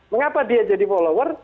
mengapa dia jadi follower